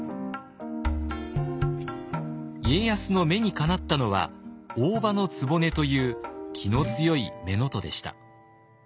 家康の目にかなったのは大姥局という気の強い乳母でした。